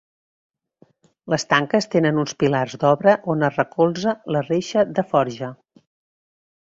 Les tanques tenen uns pilars d'obra on es recolza la reixa de forja.